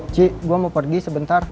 cik gue mau pergi sebentar